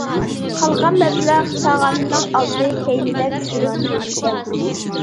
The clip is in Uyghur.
قالغان مەبلەغ چاغاننىڭ ئالدى- كەينىدە چۈشۈرۈپ بېرىلىدىكەن.